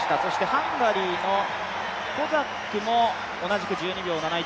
ハンガリーのコザックも同じく１２秒７１